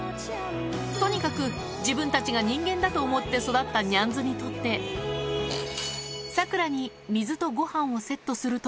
とにかく自分たちが人間だと思って育ったニャンズにとって、サクラに水とごはんをセットすると。